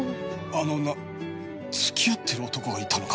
あの女付き合ってる男がいたのか？